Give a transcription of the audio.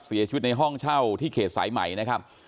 เสียชีวิตในห้องเช่าที่เขตสายใหม่นะครับ